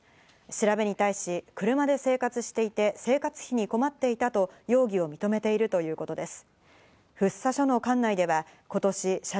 調べに対し、車で生活していて生活費に困っていたと容疑を認めているということです。